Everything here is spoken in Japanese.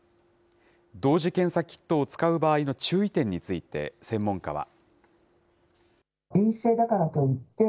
同時検査キットを使う場合の注意点について、専門家は。